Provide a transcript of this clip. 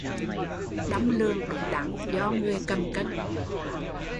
Đong lường đúng đắn do người cầm cân